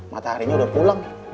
mataharinya udah pulang